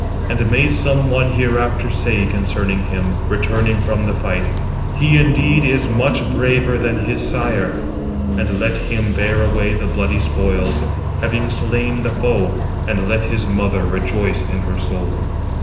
And may some one hereafter say [concerning him], returning from the fight, 'He indeed is much braver than his sire.' And let him bear away the bloody spoils, having slain the foe, and let his mother rejoice in her soul."